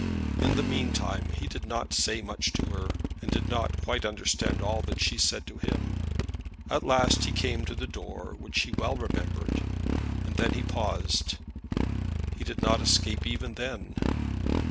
In the meantime he did not say much to her, and did not quite understand all that she said to him. At last he came to the door which he well remembered, and then he paused. He did not escape even then.